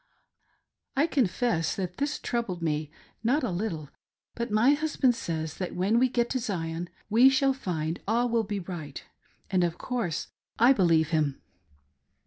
I confess that this troubled me not a little ; but my husband says that when we get to Zion we shall find all will be right, and of course I believe him."